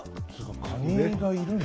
カニがいるんだ。